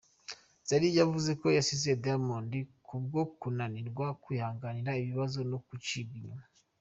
Zari yavuze ko yasize Diamond ku bwo kunanirwa kwihanganira ibibazo no gucibwa inyuma.